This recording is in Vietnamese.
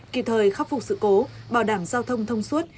kịp thời khắc phục sự cố bảo đảm giao thông thông suốt